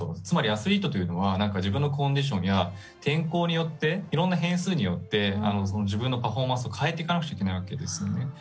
つまり、アスリートというのは自分のコンディションなどいろんな変数によって自分のパフォーマンスを変えていかないといけないわけですよね。